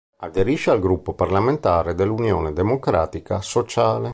Aderisce al gruppo parlamentare dell'Unione democratica sociale.